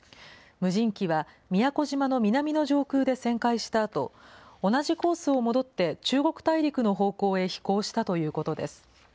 無人機は、宮古島の南の上空で旋回したあと、同じコースを戻って中国大陸の方向へ飛行したということです。